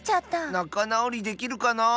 なかなおりできるかなあ。